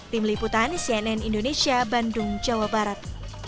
tim liputan cnn indonesia bandung jawa barat